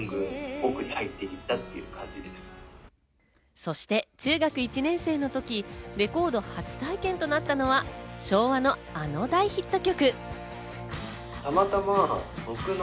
そして中学１年生のとき、レコード初体験となったのは昭和の、あの大ヒット曲。